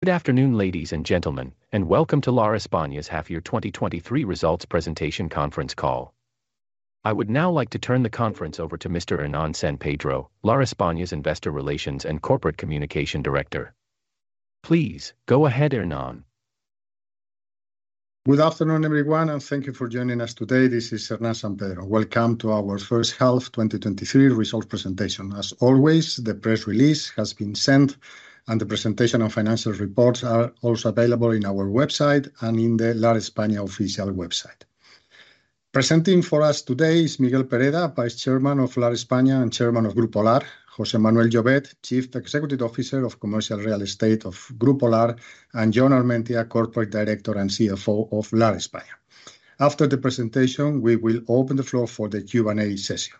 Good afternoon, ladies and gentlemen, and welcome to Lar España's half-year 2023 results presentation conference call. I would now like to turn the conference over to Mr. Hernán San Pedro, Lar España's Investor Relations and Corporate Communication Director. Please, go ahead, Hernán. Good afternoon, everyone, and thank you for joining us today. This is Hernán San Pedro. Welcome to our first half 2023 result presentation. As always, the press release has been sent, and the presentation of financial reports are also available in our website and in the Lar España official website. Presenting for us today is Miguel Pereda, Vice Chairman of Lar España and Chairman of Grupo Lar, José Manuel Llobet, Chief Executive Officer of Commercial Real Estate of Grupo Lar, and Jon Armentia, Corporate Director and CFO of Lar España. After the presentation, we will open the floor for the Q&A session.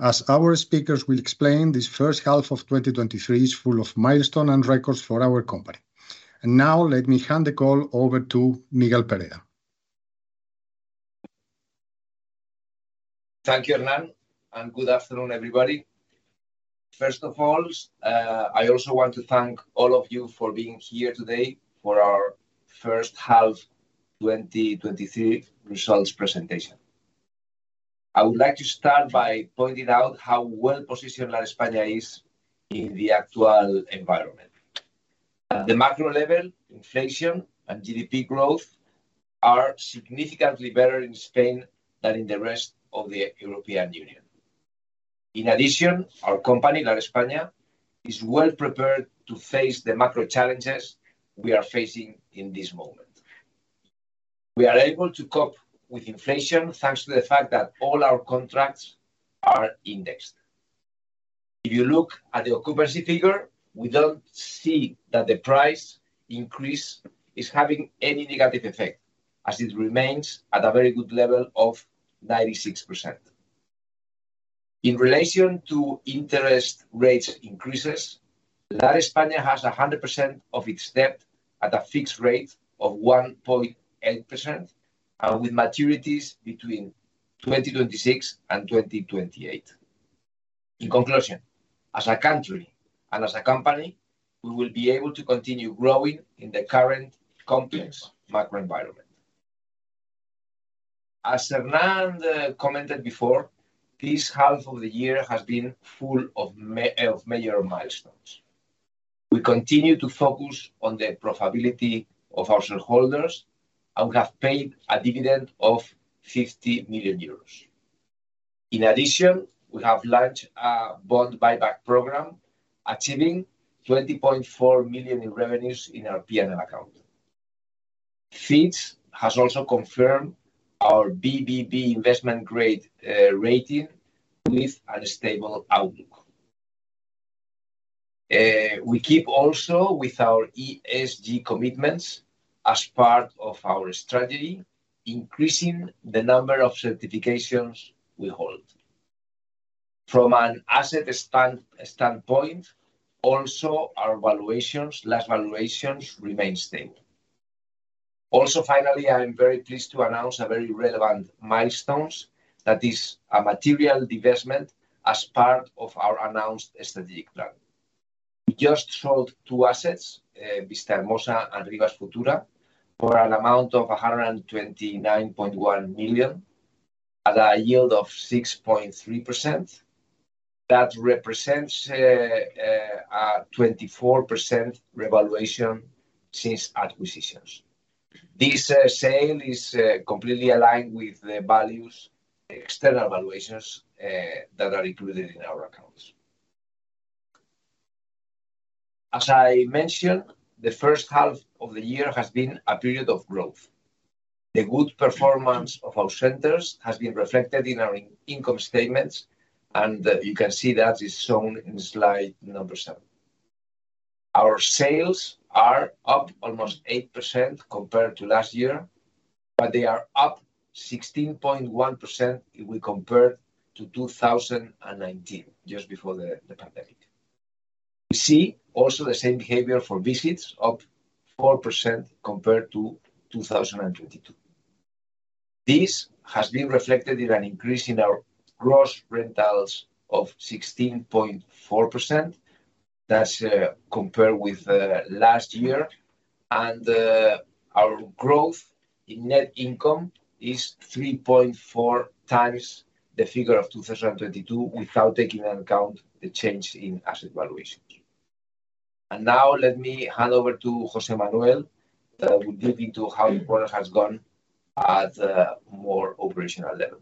As our speakers will explain, this first half of 2023 is full of milestone and records for our company. Now let me hand the call over to Miguel Pereda. Thank you, Hernán, and good afternoon, everybody. First of all, I also want to thank all of you for being here today for our first half 2023 results presentation. I would like to start by pointing out how well-positioned Lar España is in the actual environment. At the macro level, inflation and GDP growth are significantly better in Spain than in the rest of the European Union. In addition, our company, Lar España, is well-prepared to face the macro challenges we are facing in this moment. We are able to cope with inflation, thanks to the fact that all our contracts are indexed. If you look at the occupancy figure, we don't see that the price increase is having any negative effect, as it remains at a very good level of 96%. In relation to interest rates increases, Lar España has 100% of its debt at a fixed rate of 1.8%, with maturities between 2026 and 2028. In conclusion, as a country and as a company, we will be able to continue growing in the current complex macro environment. As Hernán commented before, this half of the year has been full of major milestones. We continue to focus on the profitability of our shareholders, and we have paid a dividend of 50 million euros. In addition, we have launched a bond buyback program, achieving 20.4 million in revenues in our P&L account. Fitch has also confirmed our BBB investment-grade rating with a stable outlook. We keep also with our ESG commitments as part of our strategy, increasing the number of certifications we hold. From an asset standpoint, also, our valuations, last valuations remain stable. Also, finally, I'm very pleased to announce a very relevant milestones. That is a material divestment as part of our announced strategic plan. We just sold two assets, Vistahermosa and Rivas Futura, for an amount of 129.1 million, at a yield of 6.3%. That represents a 24% revaluation since acquisitions. This sale is completely aligned with the values, external valuations, that are included in our accounts. As I mentioned, the first half of the year has been a period of growth. The good performance of our centers has been reflected in our income statements, and you can see that is shown in slide number 7. Our sales are up almost 8% compared to last year. They are up 16.1% if we compare to 2019, just before the pandemic. We see also the same behavior for visits, up 4% compared to 2022. This has been reflected in an increase in our gross rentals of 16.4%. That's compared with last year. Our growth in net income is 3.4 times the figure of 2022, without taking into account the change in asset valuations. Now let me hand over to José Manuel, that will dig into how the work has gone at a more operational level.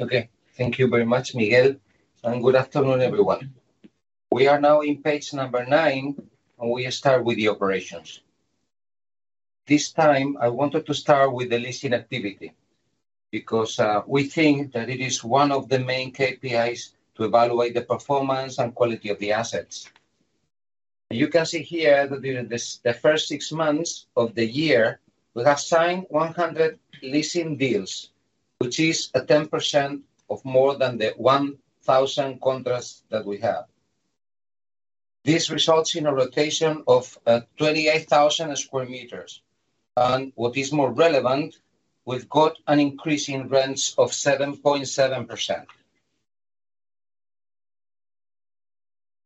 Okay. Thank you very much, Miguel, and good afternoon, everyone. We are now in page number 9, and we start with the operations. This time, I wanted to start with the leasing activity because we think that it is one of the main KPIs to evaluate the performance and quality of the assets. You can see here that during this, the first 6 months of the year, we have signed 100 leasing deals, which is a 10% of more than the 1,000 contracts that we have. This results in a rotation of 28,000 square meters, and what is more relevant, we've got an increase in rents of 7.7%.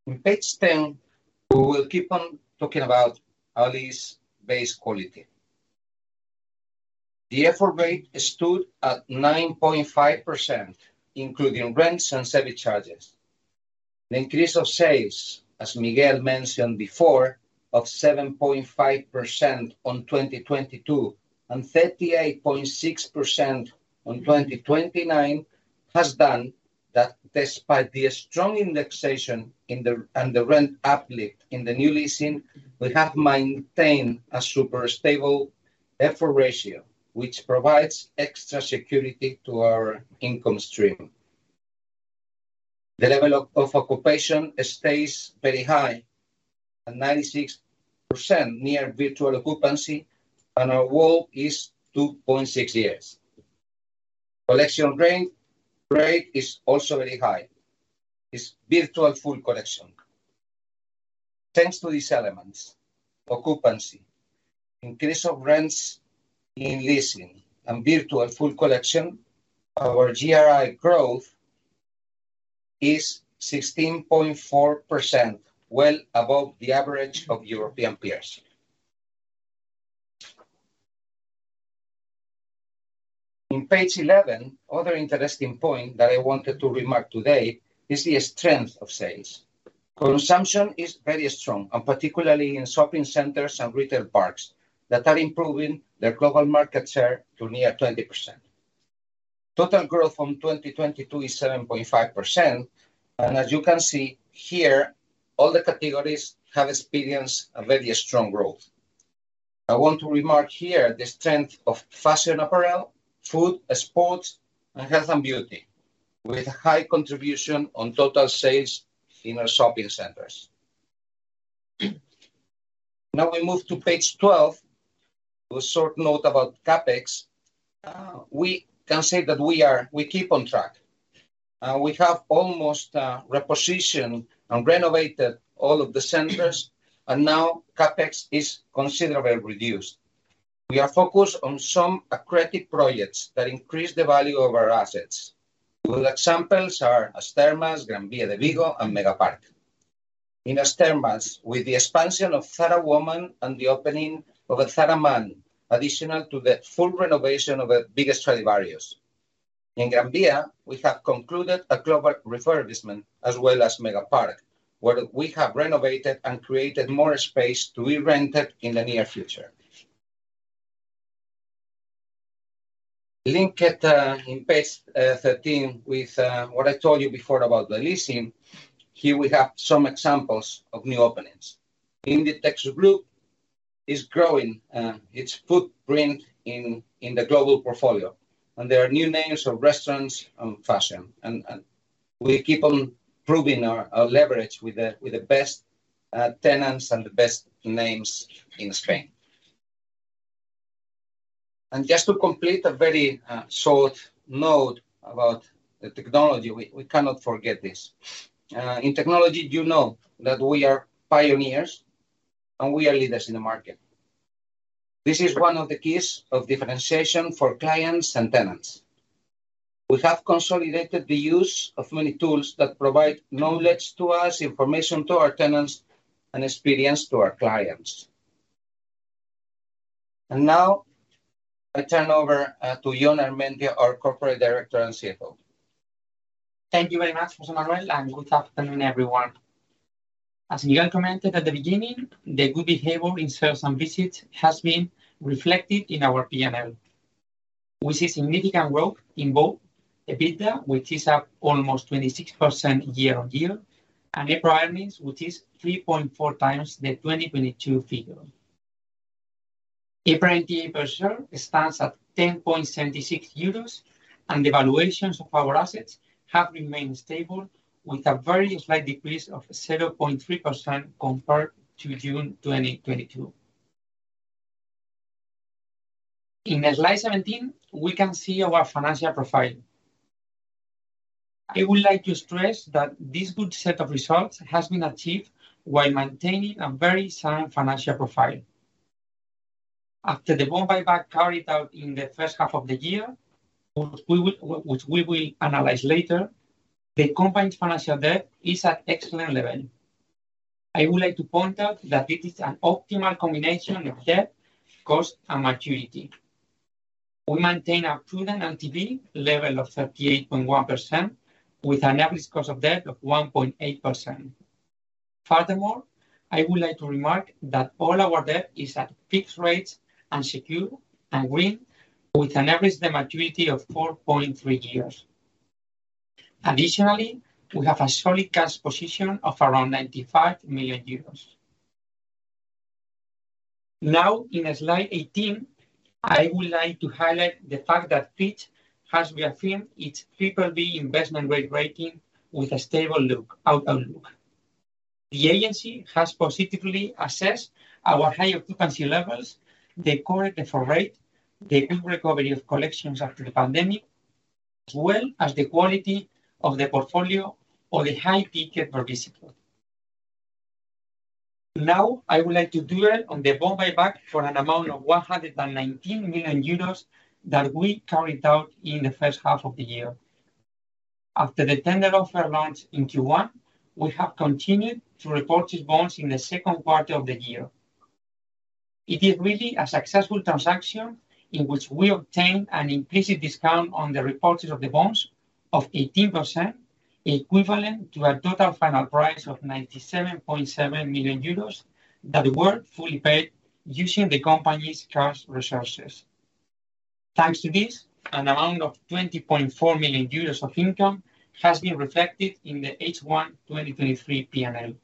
On page 10, we will keep on talking about asset base quality. The effort rate stood at 9.5%, including rents and service charges. The increase of sales, as Miguel mentioned before, of 7.5% on 2022, and 38.6% on 2029, has done that despite the strong indexation and the rent uplift in the new leasing, we have maintained a super stable effort ratio, which provides extra security to our income stream. The level of occupation stays very high, at 96% near virtual occupancy, and our WALE is 2.6 years. Collection rate is also very high. It's virtual full collection. Thanks to these elements, occupancy, increase of rents in leasing and virtual full collection, our GRI growth is 16.4%, well above the average of European peers. In page 11, other interesting point that I wanted to remark today is the strength of sales. Consumption is very strong, particularly in shopping centers and retail parks, that are improving their global market share to near 20%. Total growth from 2022 is 7.5%, and as you can see here, all the categories have experienced a very strong growth. I want to remark here the strength of fashion apparel, food, sports, and health and beauty, with high contribution on total sales in our shopping centers. Now, we move to page 12, to a short note about CapEx. We can say that we keep on track. We have almost repositioned and renovated all of the centers, and now CapEx is considerably reduced. We are focused on some accretive projects that increase the value of our assets. Good examples are As Termas, Gran Via de Vigo, and Megapark. In As Termas, with the expansion of Zara Woman and the opening of a Zara Man, additional to the full renovation of the biggest Stradivarius. In Gran Via, we have concluded a global refurbishment, as well as Megapark, where we have renovated and created more space to be rented in the near future. Linked in page 13 with what I told you before about the leasing, here we have some examples of new openings. Inditex Group is growing its footprint in, in the global portfolio, and there are new names of restaurants and fashion. We keep on improving our, our leverage with the, with the best tenants and the best names in Spain. Just to complete a very short note about the technology, we, we cannot forget this. In technology, you know that we are pioneers, and we are leaders in the market. This is one of the keys of differentiation for clients and tenants. We have consolidated the use of many tools that provide knowledge to us, information to our tenants, and experience to our clients. Now I turn over, to Jon Armentia, our Corporate Director and CFO. Thank you very much, José Manuel. Good afternoon, everyone. As Miguel commented at the beginning, the good behavior in sales and visits has been reflected in our PNL. We see significant growth in both EBITDA, which is up almost 26% year-on-year, and EBITDA earnings, which is 3.4x the 2022 figure. EBITDA per share stands at 10.76 euros. The valuations of our assets have remained stable, with a very slight decrease of 0.3% compared to June 2022. In slide 17, we can see our financial profile. I would like to stress that this good set of results has been achieved while maintaining a very sound financial profile. After the bond buyback carried out in the first half of the year, which we will analyze later, the company's financial debt is at excellent level. I would like to point out that it is an optimal combination of debt, cost, and maturity. We maintain a prudent LTV level of 38.1%, with an average cost of debt of 1.8%. Furthermore, I would like to remark that all our debt is at fixed rates and secure and green, with an average debt maturity of 4.3 years. Additionally, we have a solid cash position of around 95 million euros. Now, in slide 18, I would like to highlight the fact that Fitch has reaffirmed its BBB investment-grade rating with a stable outlook. The agency has positively assessed our high occupancy levels, the current effort rate, the full recovery of collections after the pandemic, as well as the quality of the portfolio or the high ticket per visit. Now, I would like to do it on the buyback for an amount of 119 million euros that we carried out in the first half of the year. After the tender offer launch in Q1, we have continued to report these bonds in the second quarter of the year. It is really a successful transaction in which we obtained an implicit discount on the reported of the bonds of 18%, equivalent to a total final price of 97.7 million euros, that were fully paid using the company's cash resources. Thanks to this, an amount of 20.4 million euros of income has been reflected in the H12023 P&L.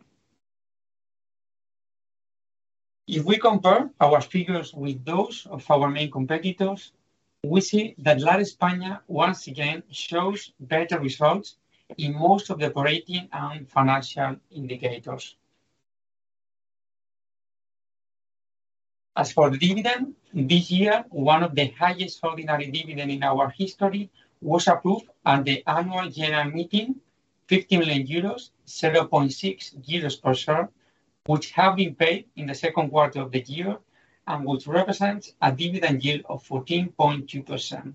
If we compare our figures with those of our main competitors, we see that Lar España, once again, shows better results in most of the operating and financial indicators. As for the dividend, this year, one of the highest ordinary dividend in our history was approved at the annual general meeting, 50 million euros, 0.6 euros per share, which have been paid in the second quarter of the year and which represents a dividend yield of 14.2%.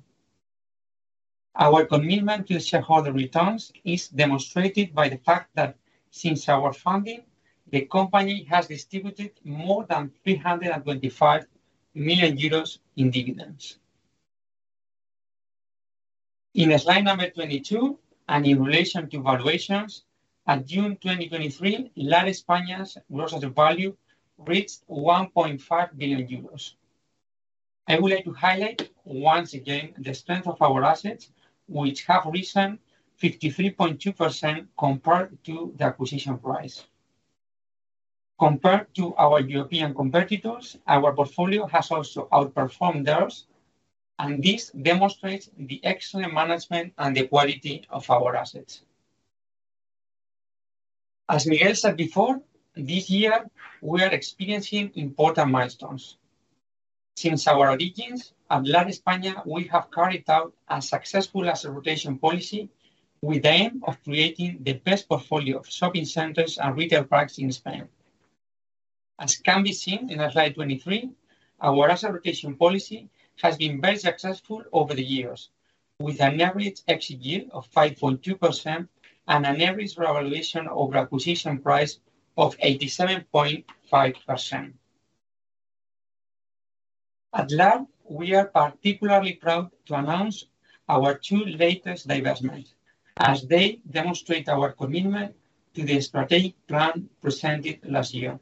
Our commitment to shareholder returns is demonstrated by the fact that since our founding, the company has distributed more than 325 million euros in dividends. In slide number 22, and in relation to valuations, at June 2023, Lar España's gross asset value reached 1.5 billion euros. I would like to highlight, once again, the strength of our assets, which have risen 53.2% compared to the acquisition price. Compared to our European competitors, our portfolio has also outperformed theirs, and this demonstrates the excellent management and the quality of our assets. As Miguel said before, this year, we are experiencing important milestones. Since our origins, at Lar España, we have carried out a successful asset rotation policy with the aim of creating the best portfolio of shopping centers and retail parks in Spain. As can be seen in slide 23, our asset rotation policy has been very successful over the years, with an average exit yield of 5.2% and an average revaluation over acquisition price of 87.5%. At Lar, we are particularly proud to announce our two latest divestment, as they demonstrate our commitment to the strategic plan presented last year.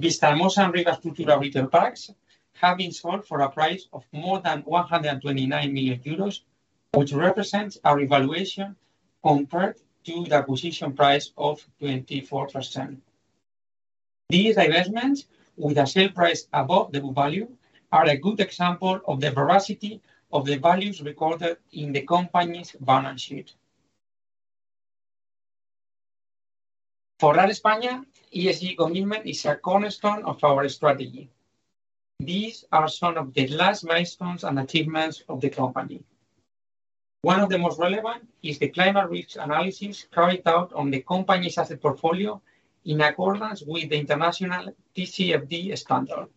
These Vistahermosa and Rivas Futura retail parks have been sold for a price of more than 129 million euros, which represents a revaluation compared to the acquisition price of 24%. These divestments, with a sale price above the book value, are a good example of the veracity of the values recorded in the company's balance sheet. For Lar España, ESG commitment is a cornerstone of our strategy. These are some of the last milestones and achievements of the company. One of the most relevant is the climate risk analysis carried out on the company's asset portfolio in accordance with the international TCFD standard.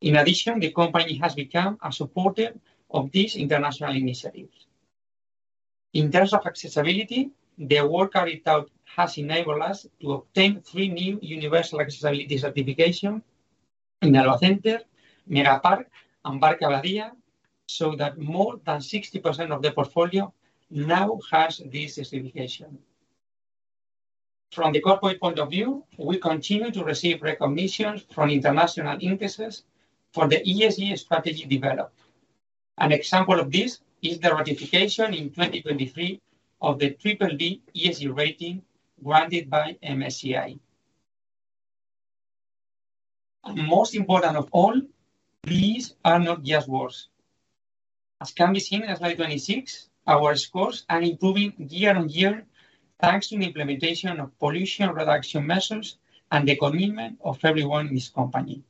In addition, the company has become a supporter of this international initiative. In terms of accessibility, the work carried out has enabled us to obtain three new universal accessibility certification in Alcampo, Megapark, and Parque Abadía, so that more than 60% of the portfolio now has this certification. From the corporate point of view, we continue to receive recognitions from international indices for the ESG strategy developed. An example of this is the ratification in 2023 of the triple B ESG rating granted by MSCI. Most important of all, these are not just words. As can be seen in slide 26, our scores are improving year-on-year, thanks to the implementation of pollution reduction measures and the commitment of everyone in this company.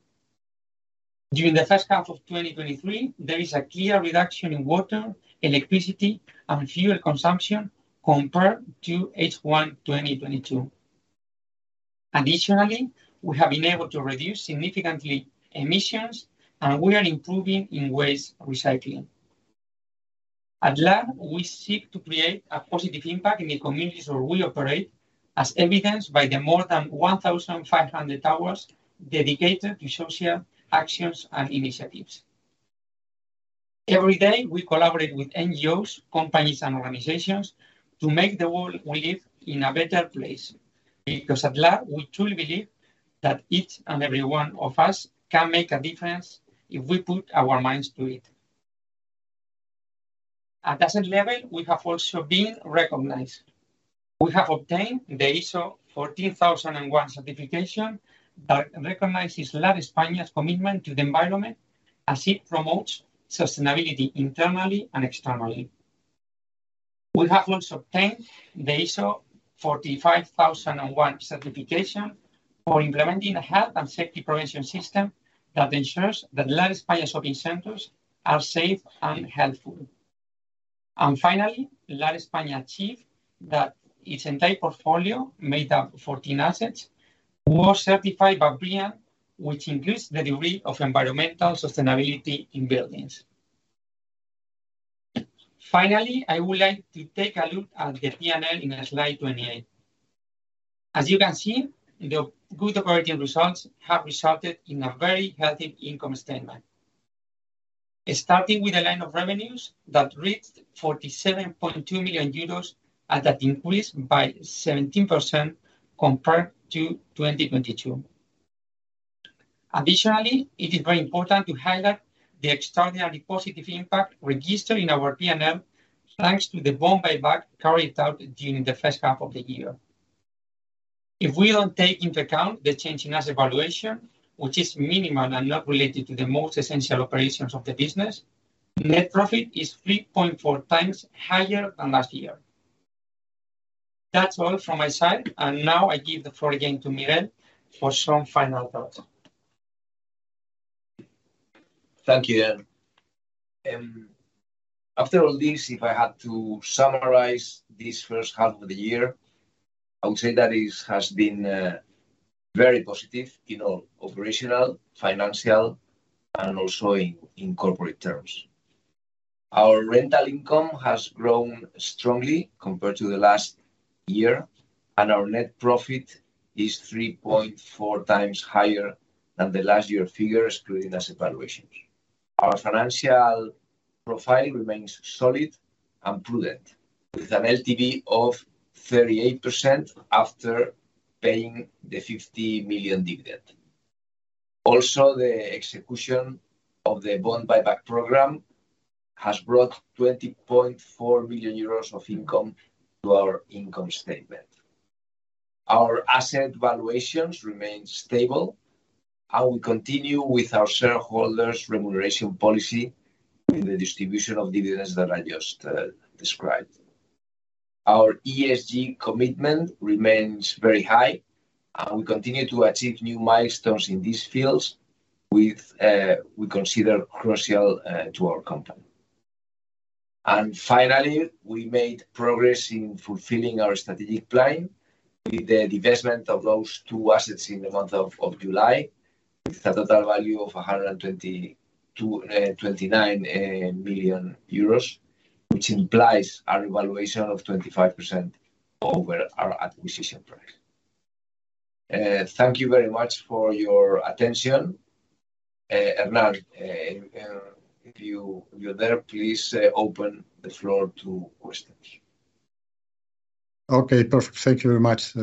During the first half of 2023, there is a clear reduction in water, electricity, and fuel consumption compared to H12022. Additionally, we have been able to reduce significantly emissions, and we are improving in waste recycling. At Lar, we seek to create a positive impact in the communities where we operate, as evidenced by the more than 1,500 hours dedicated to social actions and initiatives. Every day, we collaborate with NGOs, companies, and organizations to make the world we live in a better place, because at Lar, we truly believe that each and every one of us can make a difference if we put our minds to it. At asset level, we have also been recognized. We have obtained the ISO 14001 certification that recognizes Lar España's commitment to the environment as it promotes sustainability internally and externally. We have also obtained the ISO 45001 certification for implementing a health and safety prevention system that ensures that Lar España shopping centers are safe and healthful. Finally, Lar España achieved that its entire portfolio, made up of 14 assets, was certified by BREEAM, which includes the degree of environmental sustainability in buildings. Finally, I would like to take a look at the P&L in slide 28. As you can see, the good operating results have resulted in a very healthy income statement. Starting with the line of revenues, that reached 47.2 million euros, and that increased by 17% compared to 2022. Additionally, it is very important to highlight the extraordinary positive impact registered in our P&L, thanks to the bond buyback carried out during the first half of the year. If we don't take into account the change in asset valuation, which is minimal and not related to the most essential operations of the business, net profit is 3.4x higher than last year. That's all from my side, and now I give the floor again to Miguel for some final thoughts. Thank you, Hernán. After all this, if I had to summarize this first half of the year, I would say that it has been very positive in all operational, financial, and also in corporate terms. Our rental income has grown strongly compared to the last year, and our net profit is 3.4x higher than the last year figures, including asset valuations. Our financial profiling remains solid and prudent, with an LTV of 38% after paying the 50 million dividend. Also, the execution of the bond buyback program has brought 20.4 million euros of income to our income statement. Our asset valuations remain stable, and we continue with our shareholders' remuneration policy in the distribution of dividends that I just described. Our ESG commitment remains very high, and we continue to achieve new milestones in these fields, with we consider crucial to our company. Finally, we made progress in fulfilling our strategic plan with the divestment of those two assets in the month of July, with a total value of 129 million euros, which implies a revaluation of 25% over our acquisition price. Thank you very much for your attention. Hernán, if you, you're there, please, open the floor to questions. Okay, perfect. Thank You very much,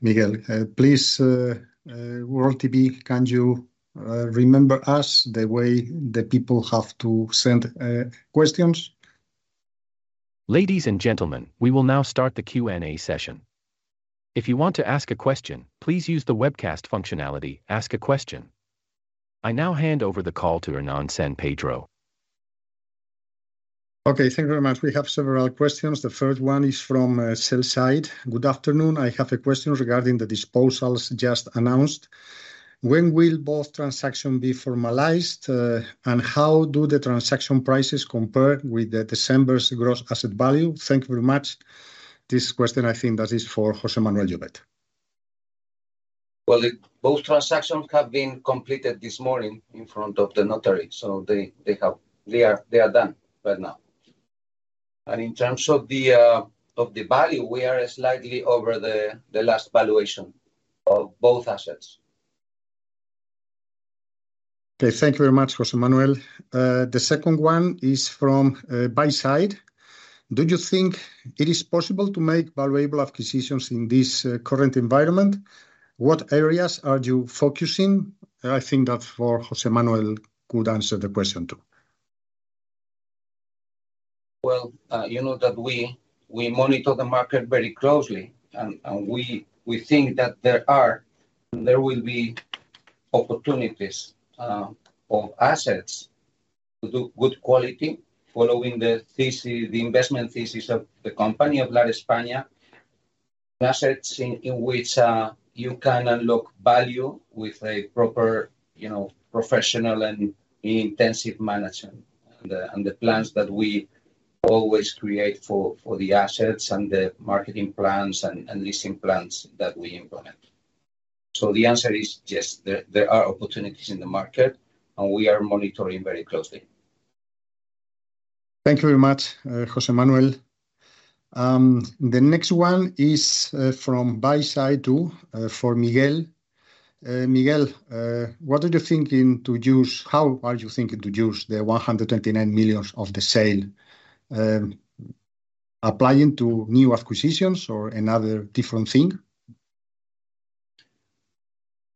Miguel. Please, World TV, can you remember us the way the people have to send questions? Ladies and gentlemen, we will now start the Q&A session. If you want to ask a question, please use the webcast functionality: Ask a Question. I now hand over the call to Hernán San Pedro. Okay, thank you very much. We have several questions. The first one is from sell side. Good afternoon, I have a question regarding the disposals just announced. When will both transaction be formalized, and how do the transaction prices compare with the December's gross asset value? Thank you very much. This question, I think, that is for José Manuel Llobet. Well, Both transactions have been completed this morning in front of the notary, so they are done right now. In terms of the value, we are slightly over the last valuation of both assets. Okay. Thank you very much, José Manuel. The second one is from buy side. Do you think it is possible to make valuable acquisitions in this current environment? What areas are you focusing? I think that for José Manuel could answer the question, too. Well, you know, that we, we monitor the market very closely, and, and we, we think that there are, there will be opportunities of assets to do good quality, following the thesis, the investment thesis of the company, of Lar España. Assets in, in which, you can unlock value with a proper, you know, professional and intensive management, and the, and the plans that we always create for, for the assets, and the marketing plans, and, and leasing plans that we implement. The answer is yes, there, there are opportunities in the market, and we are monitoring very closely. Thank you very much, José Manuel. The next one is from buy side, too, for Miguel. Miguel, what are you thinking to use...? How are you thinking to use the 129 million of the sale, applying to new acquisitions or another different thing?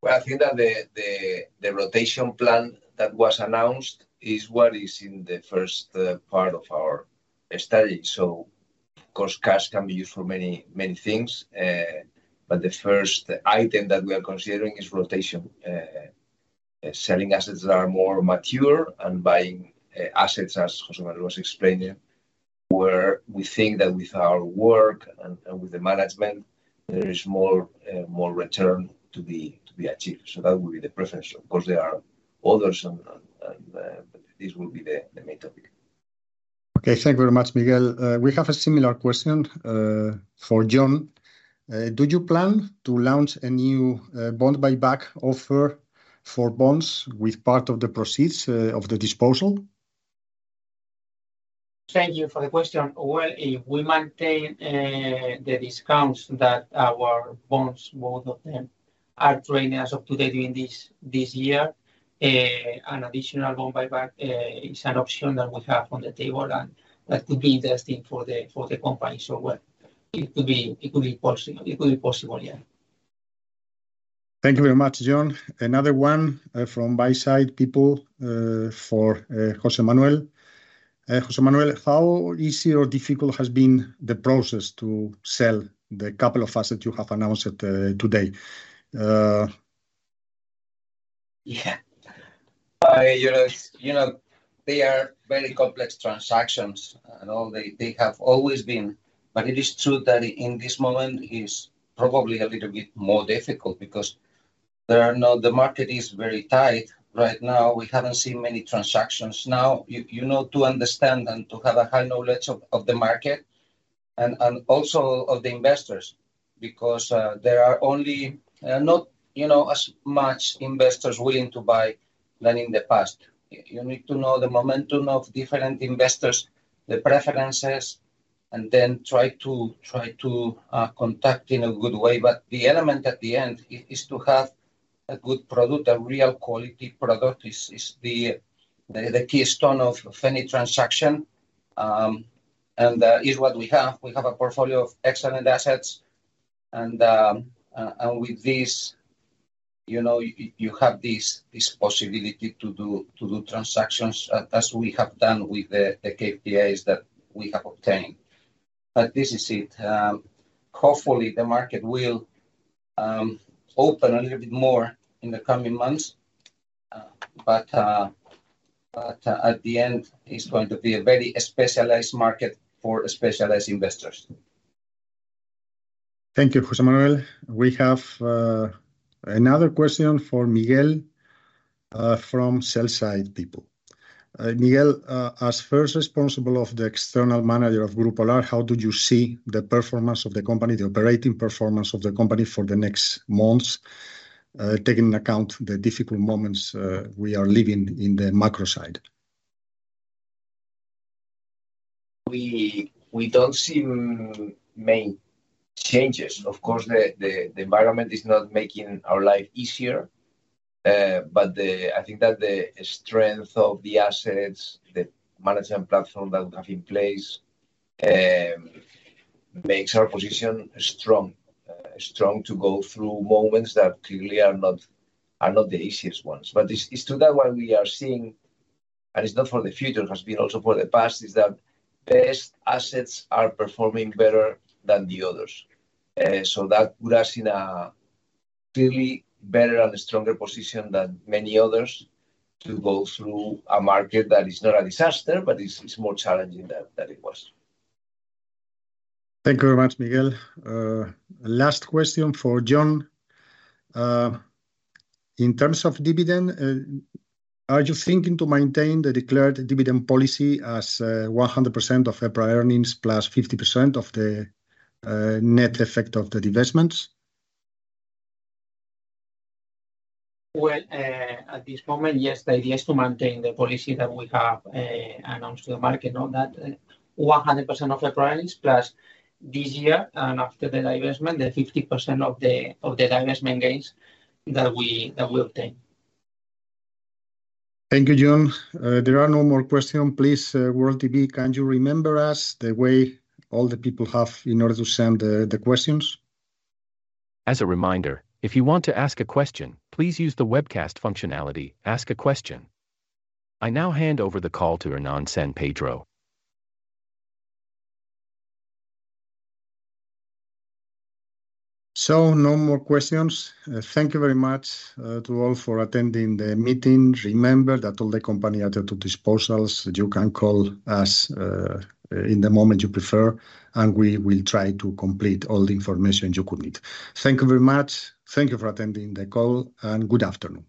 Well, I think that the, the, the rotation plan that was announced is what is in the first part of our strategy. Of course, cash can be used for many, many things, but the first item that we are considering is rotation. selling assets that are more mature and buying assets, as José Manuel was explaining, where we think that with our work and, and with the management there is more more return to be, to be achieved. That would be the preference. Of course, there are others, and, and, and, but this will be the, the main topic. Okay, thank you very much, Miguel. We have a similar question for Jon. Do you plan to launch a new bond buyback offer for bonds with part of the proceeds of the disposal? Thank you for the question. Well, if we maintain, the discounts that our bonds, both of them, are trading as of today during this, this year, an additional bond buyback, is an option that we have on the table, and that could be interesting for the company. Well, it could be, it could be possible. It could be possible, yeah. Thank you very much, Jon. Another one from buy side people for José Manuel. José Manuel, how easy or difficult has been the process to sell the couple of assets you have announced today? Yeah. You know, you know, they are very complex transactions and all. They, they have always been, but it is true that in this moment, it's probably a little bit more difficult because the market is very tight right now. We haven't seen many transactions. Now, you, you know, to understand and to have a high knowledge of, of the market and, and also of the investors, because there are only not, you know, as much investors willing to buy than in the past. You need to know the momentum of different investors, the preferences, and then try to, try to contact in a good way. The element at the end is to have a good product. A real quality product is, is the, the, the keystone of any transaction, and is what we have. We have a portfolio of excellent assets, and with this, you know, you have this, this possibility to do, to do transactions, as we have done with the, the KPIs that we have obtained. This is it. Hopefully, the market will open a little bit more in the coming months, but, at the end, it's going to be a very specialized market for specialized investors. Thank you, José Manuel. We have another question for Miguel from sell side people. Miguel, as first responsible of the external manager of Grupo Lar, how do you see the performance of the company, the operating performance of the company for the next months, taking in account the difficult moments we are living in the macro side? We, we don't see many changes. Of course, the, the, the environment is not making our life easier, but I think that the strength of the assets, the management platform that we have in place, makes our position strong. Strong to go through moments that clearly are not, are not the easiest ones. It's, it's today what we are seeing, and it's not for the future, it has been also for the past, is that best assets are performing better than the others. That put us in a clearly better and stronger position than many others to go through a market that is not a disaster, but it's, it's more challenging than, than it was. Thank you very much, Miguel. last question for Jon. in terms of dividend, are you thinking to maintain the declared dividend policy as, 100% of EPRA earnings, +50% of the, net effect of the divestments? Well, at this moment, yes, the idea is to maintain the policy that we have, announced to the market on that. 100% of EPRA earnings, plus this year, and after the divestment, 50% of the divestment gains that we, that we'll take. Thank you, John. There are no more question. Please, World TV, can you remember us the way all the people have in order to send the, the questions? As a reminder, if you want to ask a question, please use the webcast functionality, Ask a Question. I now hand over the call to Hernán San Pedro. No more questions. Thank you very much to all for attending the meeting. Remember that all the company added to disposals, that you can call us in the moment you prefer, and we will try to complete all the information you could need. Thank you very much. Thank you for attending the call, and good afternoon.